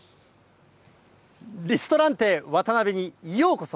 リストランテ渡辺にようこそ。